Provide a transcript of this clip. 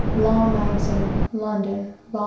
Law Magazine, (London,) vol.